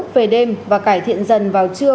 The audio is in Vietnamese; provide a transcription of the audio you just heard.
về đêm và cải thiện dần vào trưa